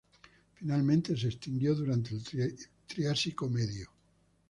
Finalmente se extinguieron durante el Triásico Medio.